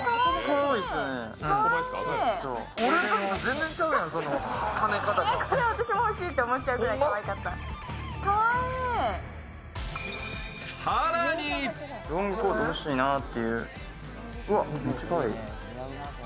これ、私も欲しいと思っちゃうぐらいかわいかった。